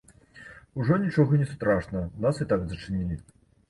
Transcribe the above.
Ужо нічога не страшна, нас і так зачынілі.